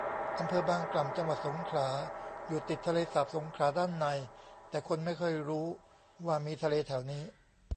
อำเภอบางกล่ำ จังหวัดสงขลา อยู่ติดทะเลสาบสงขลาด้านใน แต่คนไม่ค่อยรู้ว่ามีทะเลแถวนี้